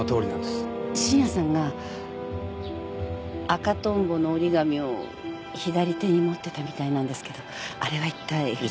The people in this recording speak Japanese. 信也さんが赤トンボの折り紙を左手に持ってたみたいなんですけどあれはいったい？